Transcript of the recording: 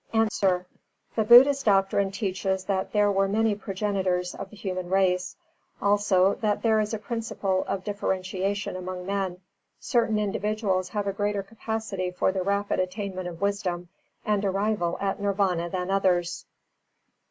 _ A. The Buddha's doctrine teaches that there were many progenitors of the human race; also that there is a principle of differentiation among men; certain individuals have a greater capacity for the rapid attainment of Wisdom and arrival at Nirvāna than others.